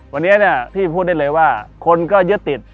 วันนี้พี่พูดได้เลยว่าคนก็ยึดติด